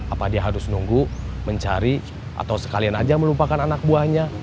apa dia harus nunggu mencari atau sekalian aja melupakan anak buahnya